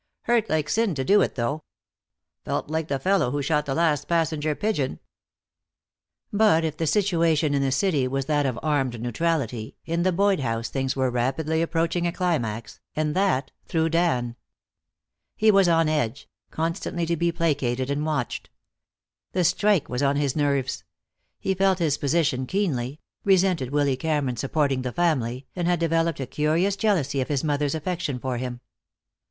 "Hurt like sin to do it, though. Felt like the fellow who shot the last passenger pigeon." But if the situation in the city was that of armed neutrality, in the Boyd house things were rapidly approaching a climax, and that through Dan. He was on edge, constantly to be placated and watched. The strike was on his nerves; he felt his position keenly, resented Willy Cameron supporting the family, and had developed a curious jealousy of his mother's affection for him.